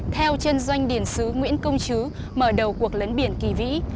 theo chân doanh điển sứ nguyễn công chứ mở đầu cuộc lấn biển kỳ vĩ